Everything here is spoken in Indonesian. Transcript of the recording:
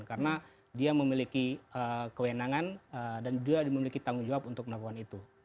karena dia memiliki kewenangan dan dia memiliki tanggung jawab untuk melakukan itu